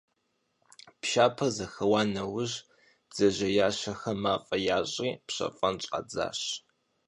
Пшапэр зэхэуа нэужь, бдзэжьеящэхэм мафӀэ ящӀри, пщэфӀэн щӀадзащ.